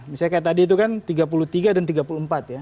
misalnya kayak tadi itu kan tiga puluh tiga dan tiga puluh empat ya